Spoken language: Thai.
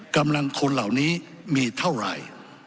กำลังคนเหล่านี้มีเท่าไหร่